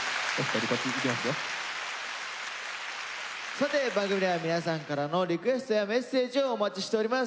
さて番組では皆さんからのリクエストやメッセージをお待ちしております。